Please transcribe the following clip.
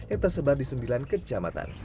yang tersebar di sembilan kecamatan